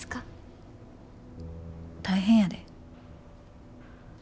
大変やで。